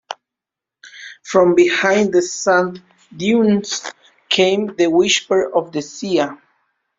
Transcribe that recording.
From behind the sand dunes came the whisper of the sea.